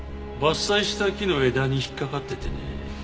伐採した木の枝に引っかかっててね。